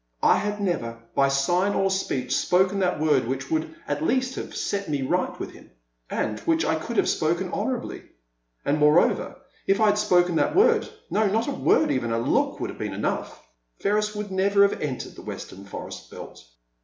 I had never by sign or speech spoken that word which would at least have set me right with him, and which I could have spoken honourably. And moreover, if I had spoken that word, — no, not a word even, a look would have been enough, — Ferris would never have entered the western forest belt.